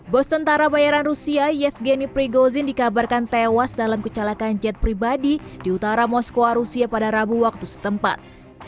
bos tentara bayaran rusia yevgeny prigozin dikabarkan tewas dalam kecelakaan jet pribadi di utara moskwa rusia pada rabu waktu setempat